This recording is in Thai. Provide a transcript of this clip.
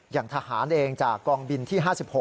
อย่างทหารเองจากกองบินที่๕๖